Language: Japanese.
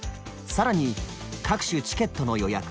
更に各種チケットの予約